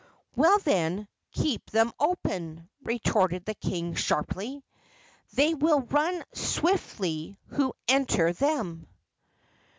"Well, then, keep them open!" retorted the king, sharply. "They will run swiftly who enter them!"